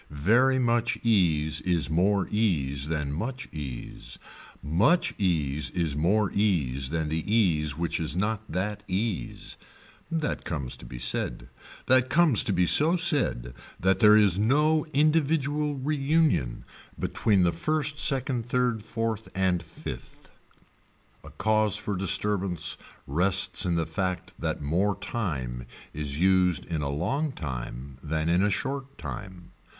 Very much ease is more ease than much ease, much ease is more ease than the ease which is not that ease. That comes to be said. That comes to be so said that there is no individual reunion between the first second third fourth and fifth. A cause for disturbance rests in the fact that more time is used in a long time than in a short time.